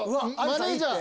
マネジャー！